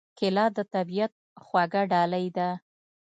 کېله د طبیعت خوږه ډالۍ ده.